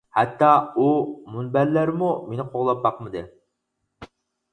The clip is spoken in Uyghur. ھەتتا ئۇ مۇنبەرلەرمۇ مېنى قوغلاپ باقمىدى!